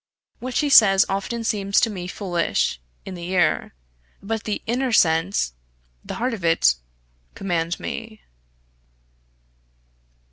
What she says often seems to me foolish in the ear; but the inner sense, the heart of it, command me.